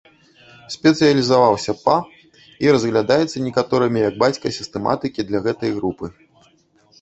Спецыялізаваўся па і разглядаецца некаторымі як бацька сістэматыкі для гэтай групы.